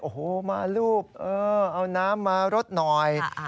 โอ้โหมารูปเอาน้ำมารดหน่อย